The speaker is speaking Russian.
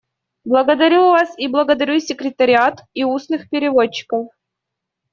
Благодарю вас и благодарю секретариат и устных переводчиков.